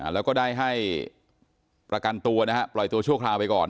แล้วก็ได้ให้ประกันตัวนะฮะปล่อยตัวชั่วคราวไปก่อน